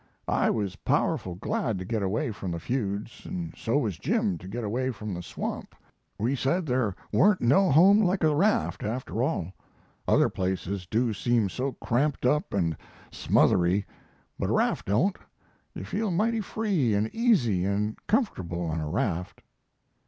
I was powerful glad to get away from the feuds, and so was Jim to get away from the swamp. We said there warn't no home like a raft, after all. Other places do seem so cramped up and smothery, but a raft don't; you feel mighty free and easy and comfortable on a raft.